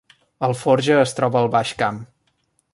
Alforja es troba al Baix Camp